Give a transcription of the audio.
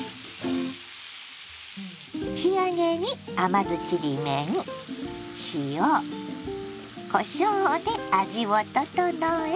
仕上げに甘酢ちりめん塩こしょうで味を調え。